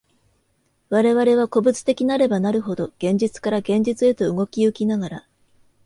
我々は個物的なればなるほど、現実から現実へと動き行きながら、